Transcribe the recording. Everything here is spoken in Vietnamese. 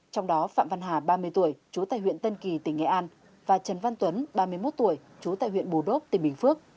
trong đó phạm văn hà ba mươi tuổi chú tại huyện tân kỳ tỉnh nghệ an và trần văn tuấn ba mươi một tuổi trú tại huyện bù đốp tỉnh bình phước